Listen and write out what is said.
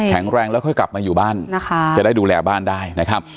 แรงแล้วค่อยกลับมาอยู่บ้านนะคะจะได้ดูแลบ้านได้นะครับ